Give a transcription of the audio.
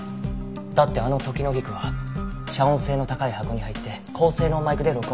だってあのトキノギクは遮音性の高い箱に入って高性能マイクで録音されていた。